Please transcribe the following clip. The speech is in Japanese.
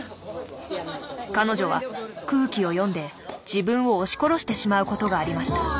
彼女は空気を読んで自分を押し殺してしまうことがありました。